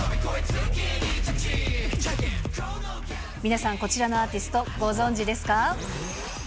皆さんこちらのアーティスト、ご存じですか？